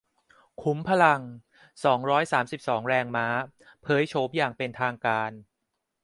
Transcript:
ขุมพลัง สองร้อยสามสิบสอง แรงม้า เผยโฉมอย่างเป็นทางการ